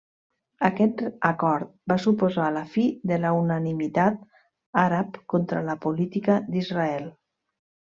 Aquest acord va suposar la fi de la unanimitat àrab contra la política d'Israel.